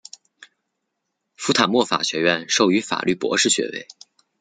福坦莫法学院授予法律博士学位。